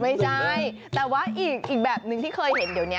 ไม่ใช่แต่ว่าอีกแบบนึงที่เคยเห็นเดี๋ยวนี้